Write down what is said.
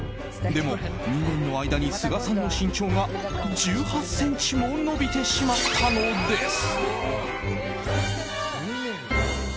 でも、２年の間に須賀さんの身長が１８ｃｍも伸びてしまったのです。